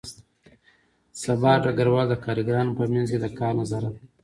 سبا ډګروال د کارګرانو په منځ کې د کار نظارت کاوه